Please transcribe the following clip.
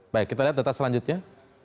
baik kita lihat data selanjutnya